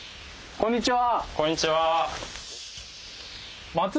こんにちは。